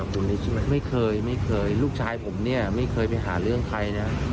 ผู้ก่อเหตุมาดำเนินคดีให้ได้